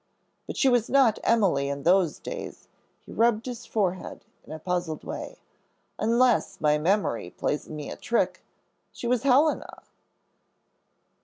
But she was not Emily in those days," he rubbed his forehead in a puzzled way; "unless my memory plays me a trick, she was Helena."